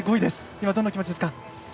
今、どんなお気持ちですか？